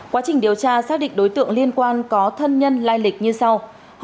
quá trình điều tra xác định đối tượng liên quan có thân nhân lai lịch như sau